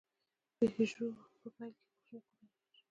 پيژو په پیل کې یو کوچنی کورنی شرکت و.